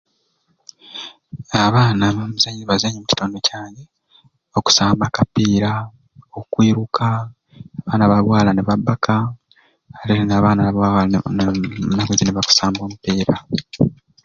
Abaana emizenyo jibazenya omukitundu kyange okusamba akapiira, okuiruka, abaana babwala nibabbaka, ate buni abaana babwala enaku zini bakusamba akapiira.